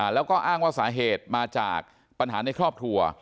แล้วก็อ้างว่าสาเหตุมาจากปัญหาในครอบครัว